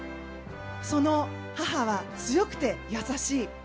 その母は強くて優しい。